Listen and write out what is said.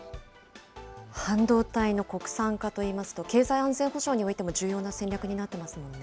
半導体の国産化といいますと、経済安全保障においても重要な戦略になってますもんね。